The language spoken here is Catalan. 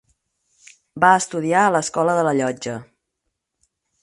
Va estudiar a l'escola de la Llotja.